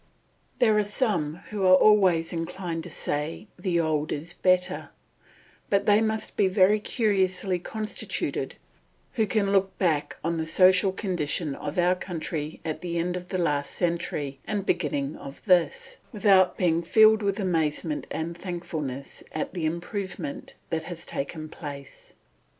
There are some who are always inclined to say "the old is better"; but they must be very curiously constituted who can look back on the social condition of our country at the end of the last century and beginning of this, without being filled with amazement and thankfulness at the improvement that has taken place.